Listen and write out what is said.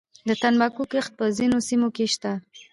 د تنباکو کښت په ځینو سیمو کې شته